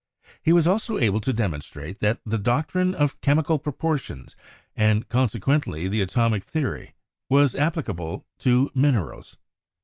He was also able to demonstrate that the doctrine of chemical pro portions, and consequently the atomic theory, was applica ble to minerals.